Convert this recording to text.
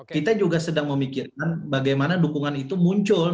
kita juga sedang memikirkan bagaimana dukungan itu muncul